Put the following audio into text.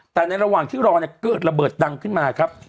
แต่ในระหว่างที่รอเนี่ยเกิดระเบิดดังขึ้นมาครับ